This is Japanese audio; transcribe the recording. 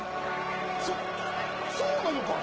そそうなのか！